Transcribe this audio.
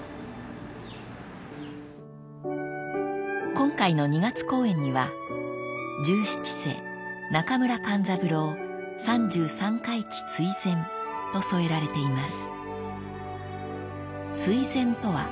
［今回の二月公演には「十七世中村勘三郎三十三回忌追善」と添えられています］